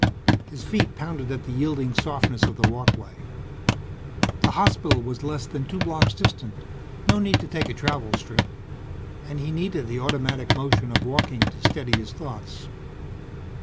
His feet pounded at the yielding softness of the walkway. The hospital was less than two blocks distant no need to take a travel strip and he needed the automatic motion of walking to steady his thoughts.